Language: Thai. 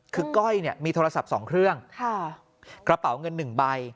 คือก้อยมีโทรศัพท์สองเครื่องกระเป๋าเงินหนึ่งใบ